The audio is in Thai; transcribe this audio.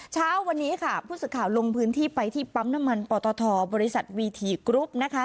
เช้าวันนี้ค่ะผู้สื่อข่าวลงพื้นที่ไปที่ปั๊มน้ำมันปตทบริษัทวีทีกรุ๊ปนะคะ